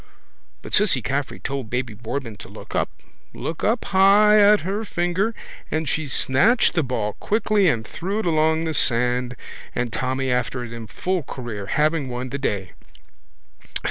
But Cissy Caffrey told baby Boardman to look up, look up high at her finger and she snatched the ball quickly and threw it along the sand and Tommy after it in full career, having won the day.